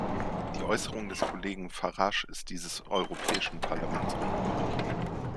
Die Äußerung des Kollegen Farage ist dieses Europäischen Parlaments unwürdig.